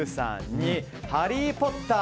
２、「ハリー・ポッター」